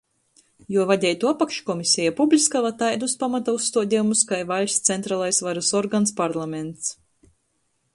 Juo vadeituo apakškomiseja publiskuoja taidus pamata uzstuodejumus kai vaļsts centralais varys organs parlaments